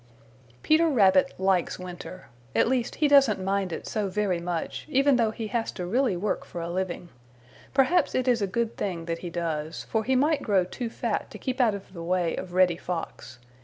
Peter Rabbit likes winter. At least he doesn't mind it so very much, even though he has to really work for a living. Perhaps it is a good thing that he does, for he might grow too fat to keep out of the way of Reddy Fox.